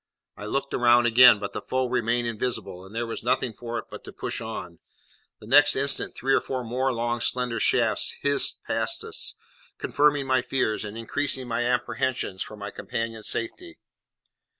I looked round again, but the foe remained invisible, and there was nothing for it but to push on. The next instant three or four more long slender shafts hissed past us, confirming my fears and increasing my apprehensions for my companion's safety.